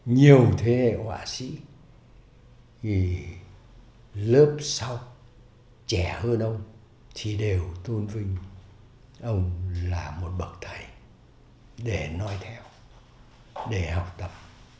nhiều thế hệ họa sĩ lớp sau trẻ hơn ông thì đều tôn vinh ông là một bậc thầy để nói theo để học tập